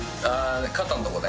肩のところね。